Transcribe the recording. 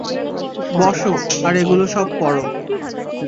বসো আর এগুলো সব পড়ো।